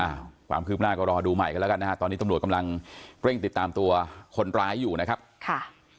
อ่าความคืบหน้าก็รอดูใหม่กันแล้วกันนะฮะตอนนี้ตำรวจกำลังเร่งติดตามตัวคนร้ายอยู่นะครับค่ะ